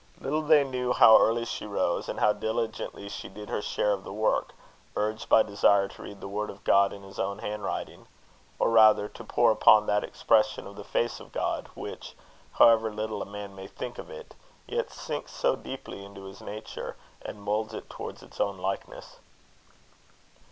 Little they knew how early she rose, and how diligently she did her share of the work, urged by desire to read the word of God in his own handwriting; or rather, to pore upon that expression of the face of God, which, however little a man may think of it, yet sinks so deeply into his nature, and moulds it towards its own likeness.